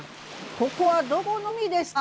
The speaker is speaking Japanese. ここはどこの海ですか？